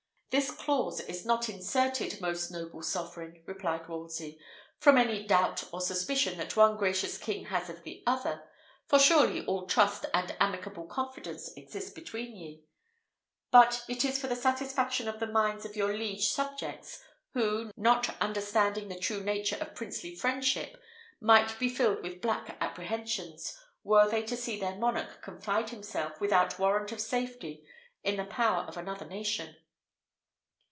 "This clause is not inserted, most noble sovereign," replied Wolsey, "from any doubt or suspicion that one gracious king has of the other; for surely all trust and amicable confidence exist between ye: but it is for the satisfaction of the minds of your liege subjects, who, not understanding the true nature of princely friendship, might be filled with black apprehensions, were they to see their monarch confide himself, without warrant of safety, in the power of another nation."